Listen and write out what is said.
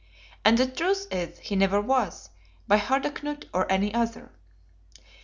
And the truth is, he never was, by Harda Knut or any other.